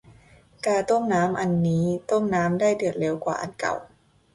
กาต้มน้ำอันนี้ต้มน้ำได้เดือดเร็วกว่าอันเก่า